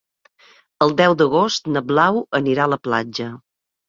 El deu d'agost na Blau anirà a la platja.